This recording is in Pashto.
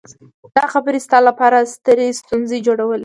دا خبرې ستا لپاره سترې ستونزې جوړولی شي